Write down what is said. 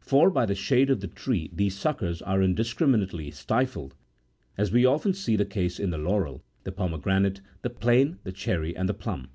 For by the shade of the tree these suckers are indiscriminately stifled, as we often see the case in the laurel, the pomegranate, the plane, the cherry, and the plum.